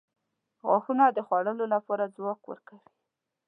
• غاښونه د خوړلو لپاره ځواک ورکوي.